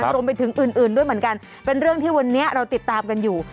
รวมไปถึงอื่นด้วยเหมือนกันเป็นเรื่องที่วันนี้เราติดตามกันอยู่